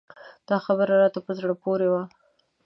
دا خبر راته په زړه پورې و.